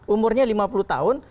umurnya lima puluh tahun